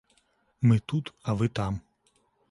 Мы тут, а вы там.